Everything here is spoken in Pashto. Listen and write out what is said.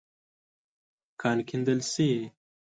کان کیندل شې.